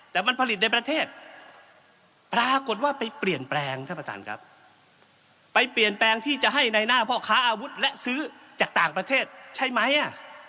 แต่มันผลิตในประเทศปรากฏว่าไปเปลี่ยนแปลงท่านประธานครับไปเปลี่ยนแปลงที่จะให้ในหน้าพ่อค้าอาวุธและซื้อจากต่างประเทศใช่ไหมอ่ะ